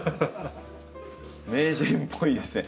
名人っぽいですね。